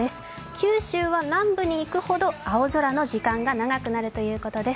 九州は南部に行くほど青空の時間が長くなるということです。